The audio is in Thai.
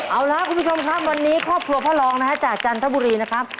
เอาล่ะคุณผู้ชมครับวันนี้ครอบครัวพ่อรองนะฮะจากจันทบุรีนะครับ